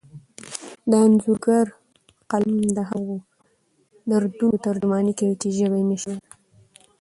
د انځورګر قلم د هغو دردونو ترجماني کوي چې ژبه یې نشي ویلی.